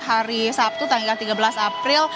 hari sabtu tanggal tiga belas april